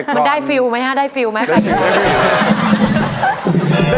มันได้ฟิวไหมครับได้ฟิวไหมครับ